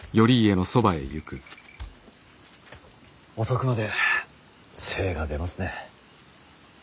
遅くまで精が出ますね。